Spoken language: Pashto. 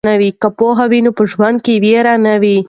که پوهه وي نو په ژوند کې ویر نه وي.